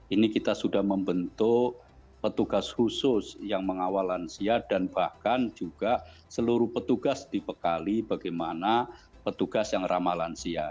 ini kita sudah membentuk petugas khusus yang mengawal lansia dan bahkan juga seluruh petugas dibekali bagaimana petugas yang ramah lansia